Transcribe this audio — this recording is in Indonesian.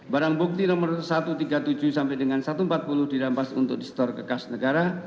barang bukti nomor satu ratus tiga puluh tujuh sampai dengan satu ratus empat puluh dirampas untuk di store kekas negara